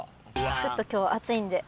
ちょっと今日暑いんで。